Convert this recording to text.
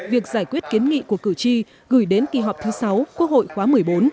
việc giải quyết kiến nghị của cử tri gửi đến kỳ họp thứ sáu quốc hội khóa một mươi bốn